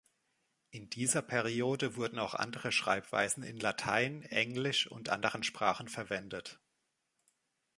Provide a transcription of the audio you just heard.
In dieser Periode wurden auch andere Schreibweisen in Latein, Englisch und anderen Sprachen verwendet.